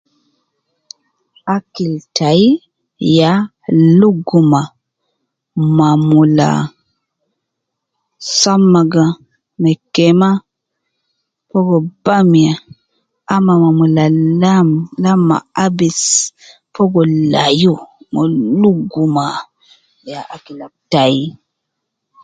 Akil tai ya luguma ma mula, samaga me kema fogo bamia ama ma mula lam ,lam ma abis fogo layu ma luguma